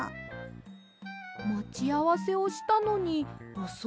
まちあわせをしたのにおそいですね。